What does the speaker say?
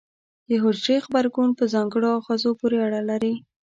د حجرې غبرګون په ځانګړو آخذو پورې اړه لري.